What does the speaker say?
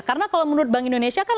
karena kalau menurut bank indonesia kan